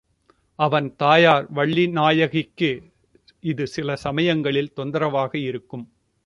அவன் தாயார் வள்ளிநாயகிக்கு இது சில சமயங்களில் தொந்தரவாக இருக்கும்.